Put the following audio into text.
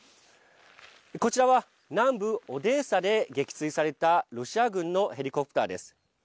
こちらは南部オデーサで撃墜されたロシア軍のヘリコプターです。